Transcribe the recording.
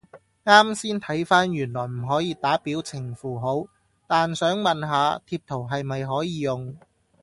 啱先睇返原來唔可以打表情符號，但想問下貼圖係咪可以用？